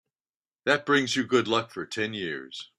That brings you good luck for ten years.